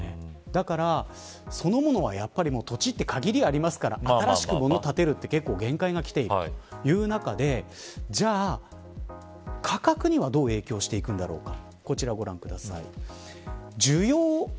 だから、そのものは土地って限りありますから新しくもののを建てるって限界がきている中でじゃあ、価格にはどう影響していくんだろうか。